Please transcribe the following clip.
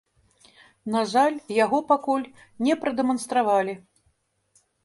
На жаль, яго пакуль не прадэманстравалі.